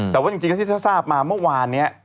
แต่ว่าจริงแล้วที่ท่านทราบมาเมื่อวานนี้